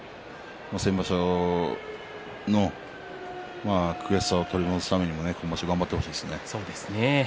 先場所の悔しさも取り戻すためにも今場所頑張ってほしいです。